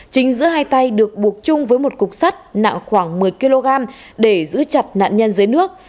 chính giữa hai tay được buộc chung với một cục sắt nặng khoảng một mươi kg để giữ chặt nạn nhân dưới nước